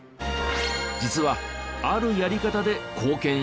実はあるやり方で貢献していた。